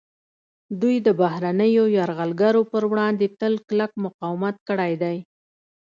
دوی د بهرنیو یرغلګرو پر وړاندې تل کلک مقاومت کړی دی